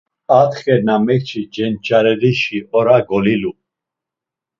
Atxe na mekçi cenç̌arerişi ora golilu.